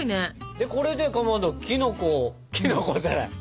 でこれでかまどきのこをきのこじゃない！